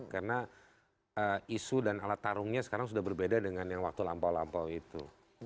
karena isu dan alat tarungnya sekarang sudah berbeda dengan yang waktu lampau lampau itu